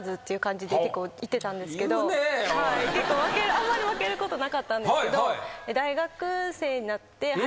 あんまり負けることなかったんですけど。